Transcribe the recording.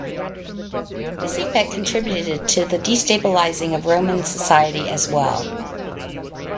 This effect contributed to the destabilizing of Roman society as well.